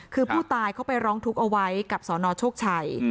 คือผู้ตายเขาไปร้องทุกข์เอาไว้กับสนโชคชัย